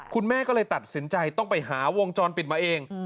คุณแม่ก็เลยตัดสินใจต้องไปหาวงจรปิดมาเอง